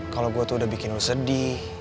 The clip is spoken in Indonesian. kalau gue tuh udah bikin sedih